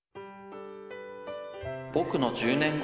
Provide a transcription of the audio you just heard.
「ぼくの１０年後」。